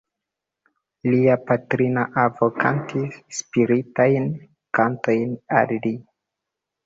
Lia patrina avo kantis spiritajn kantojn al li.